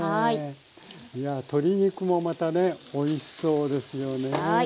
鶏肉もまたねおいしそうですよね。